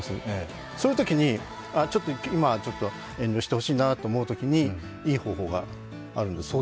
そういうときに、今はちょっと遠慮してほしいなと思うときにいい方法があるんです。